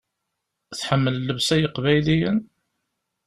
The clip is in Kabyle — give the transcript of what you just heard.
Tḥemmel llebsa n yeqbayliyen?